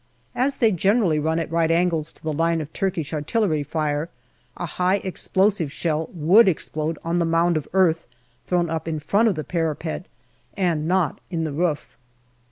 As they generally run at right angles to the line of Turkish artillery fire, a high explosive shell would explode on the mound of earth thrown up in front of the parapet, and not in the roof.